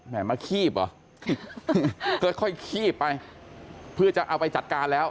มาคีบเหรอก็ค่อยคีบไปเพื่อจะเอาไปจัดการแล้ว